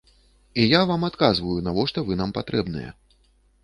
І я вам адказваю, навошта вы нам патрэбныя.